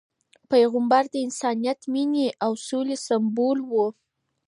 پیغمبر د انسانیت، مینې او سولې سمبول و.